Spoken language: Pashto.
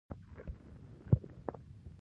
د بریښنا په برخه کې مهمې لاسته راوړنې وشوې.